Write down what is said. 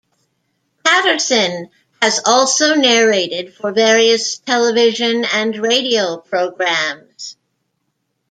Paterson has also narrated for various television and radio programmes.